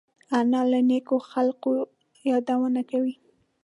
انا له نیکو خلقو یادونه کوي